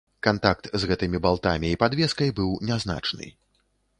Кантакт з гэтымі балтамі і падвескай быў нязначны.